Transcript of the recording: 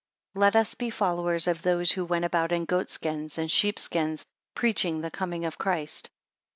17 Let us be followers of those who went about in goat skins, and sheep skins; preaching the coming of Christ.